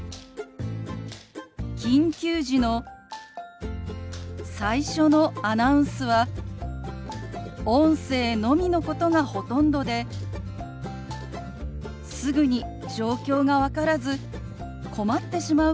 緊急時の最初のアナウンスは音声のみのことがほとんどですぐに状況が分からず困ってしまうことが実は多いんです。